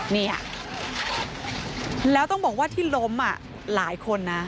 เนี่ยแล้วต้องบอกว่าที่ล้มหลายคนนะ